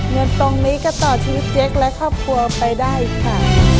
เงินตรงนี้ก็ต่อชีวิตเจ๊กและครอบครัวไปได้ค่ะ